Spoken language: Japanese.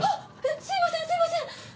すいませんすいません！